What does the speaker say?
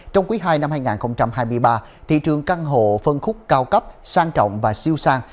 trong quý ii năm hai nghìn hai mươi ba thị trường căn hộ phân khúc cao cấp sang trọng và siêu sang